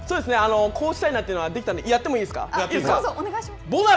こうしたいなというのはできたんで、やってもいいですか。